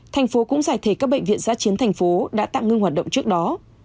thành phố cũng giải thể các bệnh viện giã chiến thành phố đã tạm ngưng hoạt động trước đó